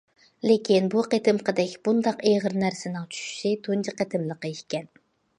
لېكىن بۇ قېتىمقىدەك بۇنداق ئېغىر نەرسىنىڭ چۈشۈشى تۇنجى قېتىملىقى ئىكەن.